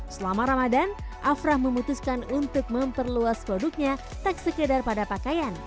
selama ramadan afrah memutuskan untuk memperluas produknya tak sekedar pada pakaian